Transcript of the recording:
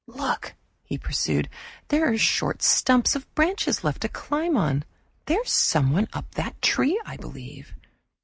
"Look," he pursued. "There are short stumps of branches left to climb on. There's someone up that tree, I believe."